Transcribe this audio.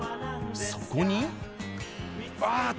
そこに。